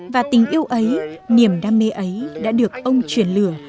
và tình yêu ấy niềm đam mê ấy đã được ông truyền lửa